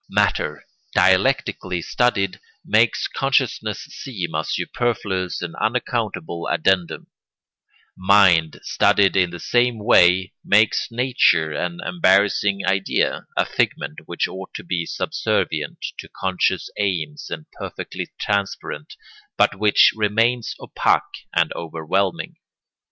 Matter, dialectically studied, makes consciousness seem a superfluous and unaccountable addendum; mind, studied in the same way, makes nature an embarrassing idea, a figment which ought to be subservient to conscious aims and perfectly transparent, but which remains opaque and overwhelming.